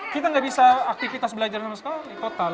kita gak bisa aktifitas belajar sama sekali total